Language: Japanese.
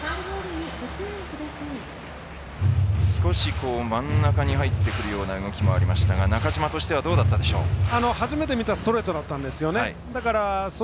少し真ん中に入ってくるような動きもありましたが中島としてはどうだったでしょう。